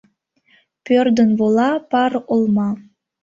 Пӧрдын вола пар олма.